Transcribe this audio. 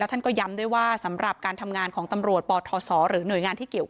ฟังท่านเพิ่มค่ะบอกว่าถ้าผู้ต้องหาหรือว่าคนก่อเหตุฟังอยู่